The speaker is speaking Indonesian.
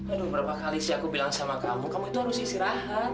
aduh berapa kali sih aku bilang sama kamu kamu itu harus istirahat